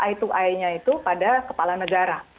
eye to eye nya itu pada kepala negara